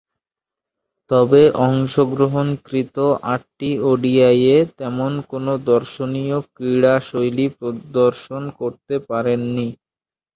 তবে, অংশগ্রহণকৃত আটটি ওডিআইয়ে তেমন কোন দর্শনীয় ক্রীড়াশৈলী প্রদর্শন করতে পারেননি।